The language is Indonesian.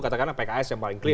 katakanlah pks yang paling clear